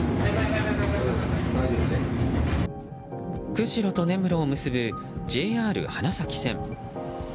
釧路と根室を結ぶＪＲ花咲線。